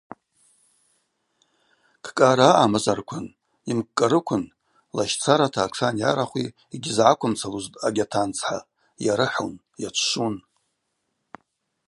Кӏкӏара амамзарквын, йымкӏкӏарыквын лащцарата атшани арахви йгьйызгӏаквымцалузтӏ агьатанцхӏа, йарыхӏун, йачвшвун.